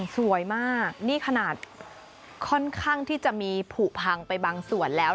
สวยมากนี่ขนาดค่อนข้างที่จะมีผูกพังไปบางส่วนแล้ว